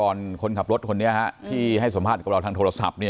คนขับรถคนนี้ที่ให้สัมภาษณ์กับเราทางโทรศัพท์